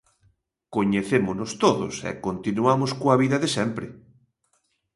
Coñecémonos todos e continuamos coa vida de sempre.